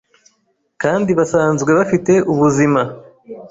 kandi basanzwe bafite ubuzima bwiza.